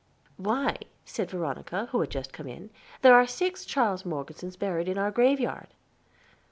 "Why," said Veronica, who had just come in, "there are six Charles Morgesons buried in our graveyard."